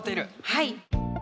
はい。